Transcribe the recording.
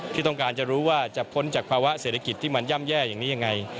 ที่ต้องการจะรู้ว่าจะพ้นจากภาวะเศรษฐกิจที่มันย่ำแย่อย่างนี้ยังไง